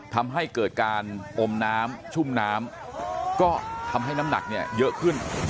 ทำให้เกิดการอมน้ำชุ่มน้ำก็ทำให้น้ำหนักเนี่ยเยอะขึ้น